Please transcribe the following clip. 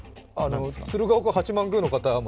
鶴岡八幡宮の方も？